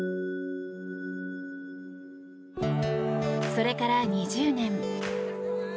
それから２０年。